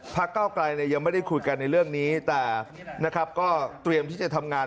ภักดิ์เก้าไกรยังไม่ได้คุยกันในเรื่องนี้แต่ก็เตรียมที่จะทำงาน